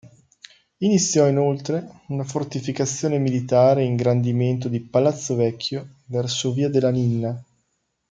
Iniziò inoltre una fortificazione militare e ingrandimento di Palazzo Vecchio verso via della Ninna.